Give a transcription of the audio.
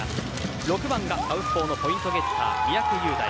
６番がサウスポーのポイントゲッター三宅雄大。